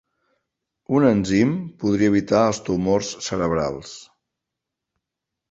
Un enzim podria evitar els tumors cerebrals